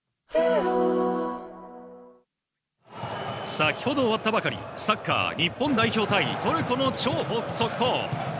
先ほど終わったばかり、サッカー日本代表対トルコの超速報。